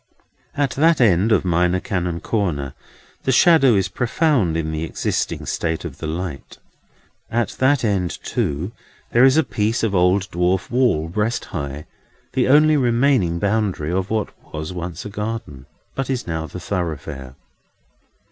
At that end of Minor Canon Corner the shadow is profound in the existing state of the light: at that end, too, there is a piece of old dwarf wall, breast high, the only remaining boundary of what was once a garden, but is now the thoroughfare.